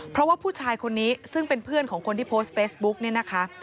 เพราะว่าผู้ชายคนนี้ซึ่งเป็นเพื่อนของคนที่โพสต์เฟซบุ๊กเนี่ยนะคะ